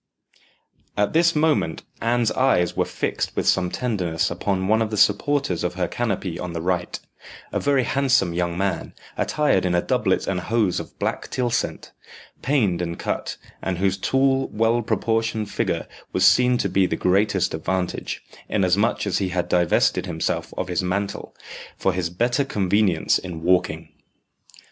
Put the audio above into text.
At this moment Anne's eyes were fixed with some tenderness upon one of the supporters of her canopy on the right a very handsome young man, attired in a doublet and hose of black tylsent, paned and cut, and whose tall, well proportioned figure was seen to the greatest advantage, inasmuch as he had divested himself of his mantle, for his better convenience in walking.